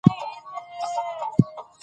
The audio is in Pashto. احمد پیاله ماته کړه